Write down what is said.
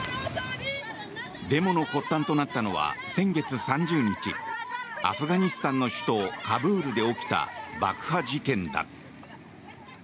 デモの発端となったのは先月３０日アフガニスタンの首都カブールで起きた爆破事件だ。